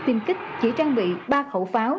tiêm kích chỉ trang bị ba khẩu pháo